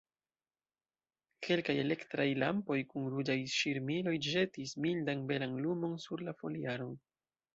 Kelkaj elektraj lampoj kun ruĝaj ŝirmiloj ĵetis mildan, belan lumon sur la foliaron.